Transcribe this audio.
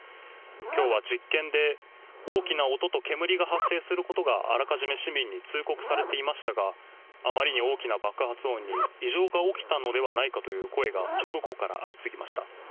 きょうは実験で大きな音と煙が発生することがあらかじめ市民に通告されていましたが、あまりに大きな爆発音に、異常が起きたのではないかという声が直後から相次ぎました。